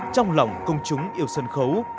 trong lòng công chúng yêu sân khấu